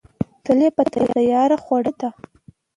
تل یې په تیاره خوړلې ده.